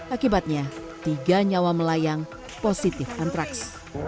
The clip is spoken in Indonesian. akibatnya tiga nyawa melayang positif antraks